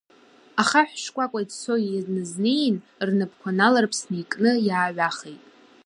Ахаҳә шкәакәа иӡсо, иназнеин, рнапқәа наларԥсны икны, иааҩахеит.